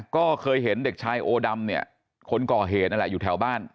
ก็เคยเห็นเด็กชายโอดำเนี่ยคนก่อเหตุนั่นแหละอยู่แถวบ้าน